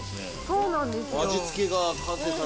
そうなんです。